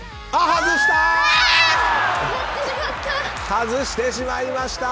外した！